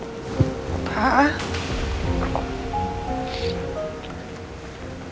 dan viraset mereka jadi kenyataan